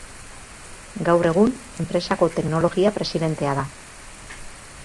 Gaur egun, enpresako teknologia presidentea da.